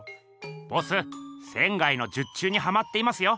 ボス仙の術中にハマっていますよ！